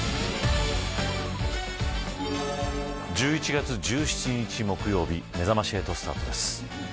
１１月１７日木曜日めざまし８スタートです。